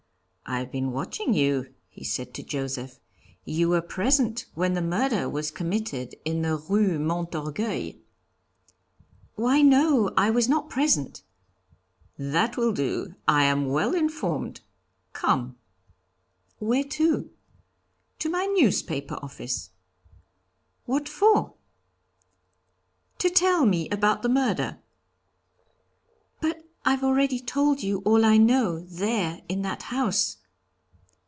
'I've been watching for you,' he said to Joseph. 'You were present when the murder was committed in the Rue Montorgueil!' 'Why, no, I was not present ' 'That will do. I am well informed, come.' 'Where to?' 'To my newspaper office.' 'What for?' 'To tell me about the murder.' 'But I've already told all I know, there, in that house.'